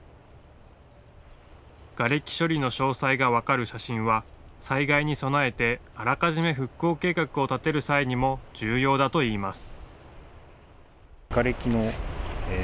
がれき処理の詳細が分かる写真は災害に備えてあらかじめ復興計画を立てる際にも重要だといいます。